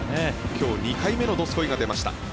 今日２回目のどすこいが出ました。